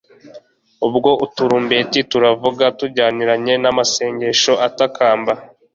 ubwo uturumbeti turavuga, tujyaniranye n'amasengesho atakamba